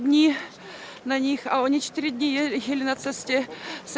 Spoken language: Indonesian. dan mereka sudah tiga hari menunggu di jalan ke sini di perbatasan